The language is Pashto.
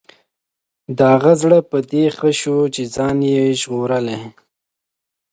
د هغه زړه په دې ښه شو چې ځان یې ژغورلی.